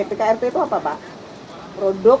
pkrp itu apa pak produk